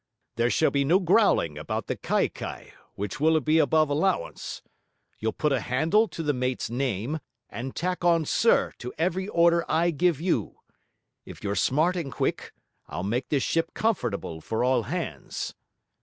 There shall be no growling about the kaikai, which will be above allowance. You'll put a handle to the mate's name, and tack on "sir" to every order I give you. If you're smart and quick, I'll make this ship comfortable for all hands.'